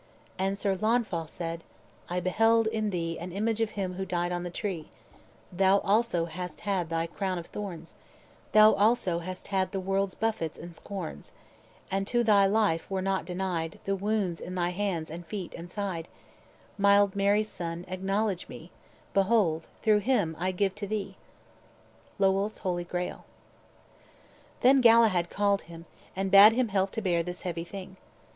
"And Sir Launfal said, 'I behold in thee An image of Him who died on the tree Thou also hast had thy crown of thorns, Thou also hast had the world's buffets and scorns; And to thy life were not denied The wounds in thy hands and feet and side Mild Mary's son, acknowledge me; Behold, through Him I give to thee!'" Lowell's Holy Grail. Then Galahad called him, and bade him help to bear this heavy thing.